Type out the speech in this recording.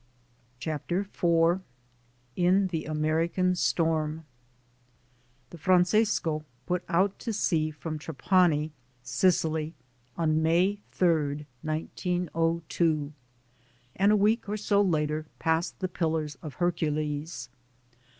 CHAPTER IV IN THE AMEEICAN STORM THE Francesco put out to sea from Trapani, Sicily, on May 3, 1902, and a week or so later passed the Pillars of Hercules.